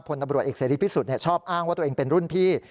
พลตำรวจเอกเสรีพิสุทธิ์ชอบอ้างว่าตัวเองเป็นรุ่นพี่